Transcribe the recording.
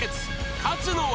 勝つのは？